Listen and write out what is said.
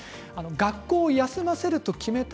学校を休ませると決めた